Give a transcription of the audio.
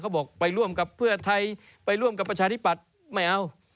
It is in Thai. บอกไปร่วมกับเพื่อไทยไปร่วมกับประชาธิปัตย์ไม่เอา